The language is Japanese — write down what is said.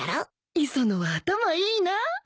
磯野は頭いいな。